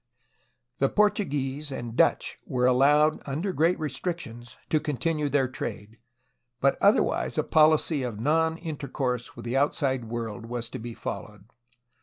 The Portuguese and Dutch were allowed under great restrictions to continue their trade, but otherwise a policy of non intercourse with the outside world was to be followed.